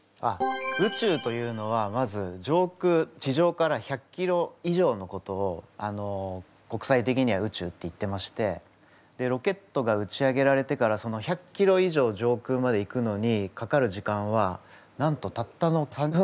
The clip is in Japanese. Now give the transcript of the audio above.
宇宙というのはまず上空地上から１００ｋｍ以上のことを国際的には宇宙っていってましてロケットが打ち上げられてから１００ｋｍ以上上空まで行くのにかかる時間はなんとたったの３分ぐらいなんです。